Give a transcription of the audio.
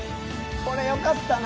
「これよかったな。